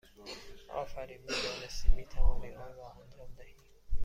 آفرین! می دانستیم می توانی آن را انجام دهی!